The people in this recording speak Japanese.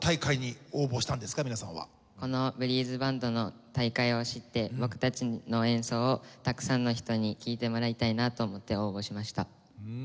このブリーズバンドの大会を知って僕たちの演奏をたくさんの人に聴いてもらいたいなと思って応募しました。